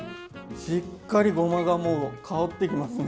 しっかりごまがもう香ってきますね